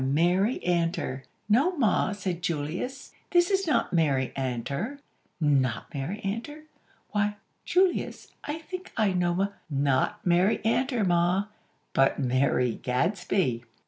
Mary Antor!!" "No, Ma," said Julius. "This is not Mary Antor." "Not Mary Antor? Why, Julius, I think I know M " "Not Mary Antor, Ma, but Mary Gadsby!"